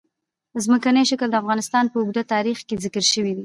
ځمکنی شکل د افغانستان په اوږده تاریخ کې ذکر شوی دی.